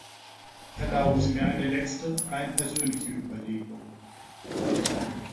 Erlauben Sie mir eine letzte, rein persönliche Überlegung.